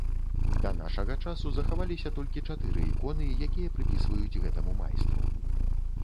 Да нашага часу захаваліся толькі чатыры іконы, якія прыпісваюць гэтаму майстру.